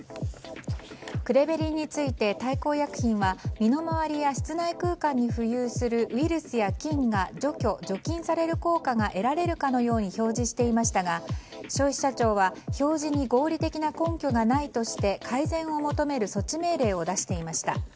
クレベリンについて大幸薬品は身の周りや室内空間に浮遊するウイルスや菌が除去・除菌される効果が得られるかのように表示していましたが消費者庁は表示に合理的な根拠がないとして改善を求める措置命令を出していました。